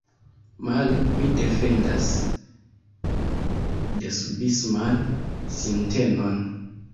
Male, mi defendas desubisman sintenon.